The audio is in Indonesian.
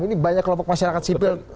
ini banyak kelompok masyarakat sipil